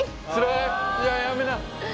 いややめな。